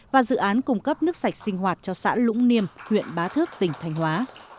và dự án cung cấp nước sạch sinh hoạt cho xã lũng niêm huyện bá thước tỉnh thành hóa